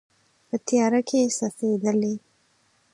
په تیاره کې څڅیدلې